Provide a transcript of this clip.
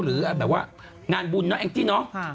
หรืออ่าว่างานบุญเนอะแอ้อย่างต้ี่เนอะ